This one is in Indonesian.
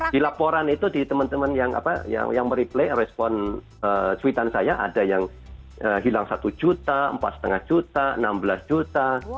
di laporan itu di teman teman yang mereplay respon tweetan saya ada yang hilang satu juta empat lima juta enam belas juta